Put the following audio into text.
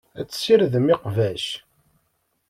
Ad tessirdem iqbac.